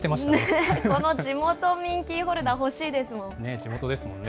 この地元民キーホルダー、欲しいですもん。